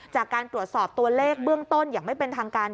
จากการตรวจสอบตัวเลขเบื้องต้นอย่างไม่เป็นทางการ